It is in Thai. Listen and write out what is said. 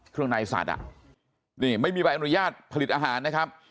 เครื่องในสัตว์ไม่มีใบอนุญาตผลิตอาหารนะครับ